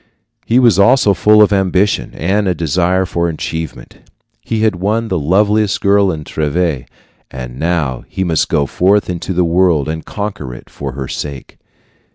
He was also full of ambition and of desire for achievement. He had won the loveliest girl in Treves, and now he must go forth into the world and conquer it for her sake.